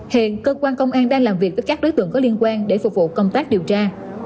hiện cơ quan công an đang làm việc với các đối tượng có liên quan để phục vụ công tác điều tra